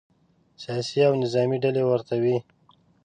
سیاسي او نظامې ډلې ورته وي.